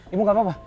ibu gak apa apa